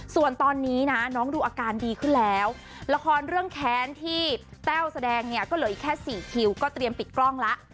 ส่วนตอนนี้นะน้องดูอาการดีขึ้นแล้วละครเรื่องแค้นที่แต้วแสดงเนี่ยก็เหลืออีกแค่๔คิวก็เตรียมปิดกล้องละ